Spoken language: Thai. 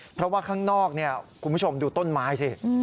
เพราะว่าข้างนอกคุณผู้ชมดูต้นไม้สิ